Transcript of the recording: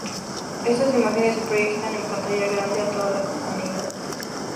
Estas imágenes se proyectan en pantalla grande a toda la comunidad.